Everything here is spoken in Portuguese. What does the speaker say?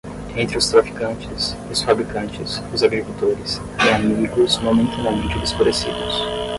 Entre os traficantes, os fabricantes, os agricultores, têm amigos momentaneamente obscurecidos.